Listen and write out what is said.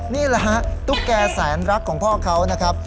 นี่แหละฮะตุ๊กแก่แสนรักของพ่อเขานะครับ